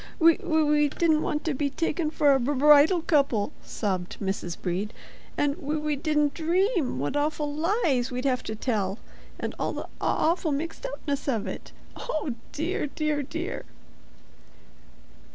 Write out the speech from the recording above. "W W W We didn't want to be t t taken for a b b b b bridal couple," sobbed Mrs. Brede; "and we d d didn't dream what awful lies we'd have to tell, and all the aw awful mixed up ness of it. Oh, dear, dear, dear!"